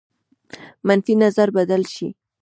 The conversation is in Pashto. منفي نظر بدل شي.